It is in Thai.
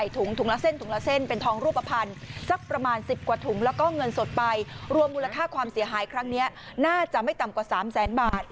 แต่ไม่ต่ำกว่า๓๐๐๐๐๐บาท